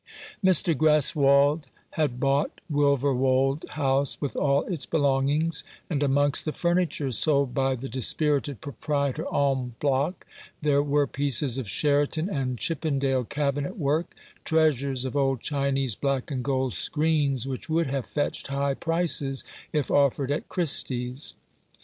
Mr. Greswold had bought Wilverwold House with all its belongings, and amongst the furniture, sold by the dispirited proprietor en bloc, there were pieces of Sheraton and Chippendale cabinet work, treasures of old Chinese black and gold screens which would have fetched high prices if offered at Christie's.